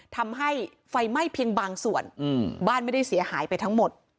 ทำให้ไฟไหม้เพียงบางส่วนบ้านไม่ได้เสียหายไปทั้งหมด